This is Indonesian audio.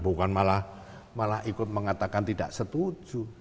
bukan malah ikut mengatakan tidak setuju